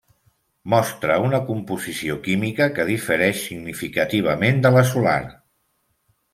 Mostra una composició química que difereix significativament de la solar.